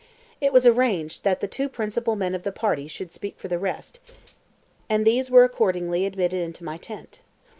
It was arranged that the two principal men of the party should speak for the rest, and these were accordingly admitted into my tent.